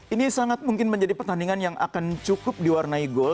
ini sangat mungkin menjadi pertandingan yang akan cukup diwarnai gol